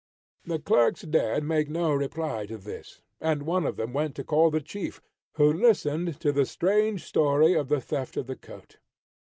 The clerks dared make no reply to this, and one of them went to call the chief, who listened to the strange story of the theft of the coat.